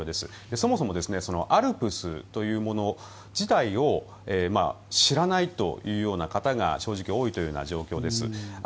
そもそもＡＬＰＳというもの自体を知らないというような方が正直多いというような状況です。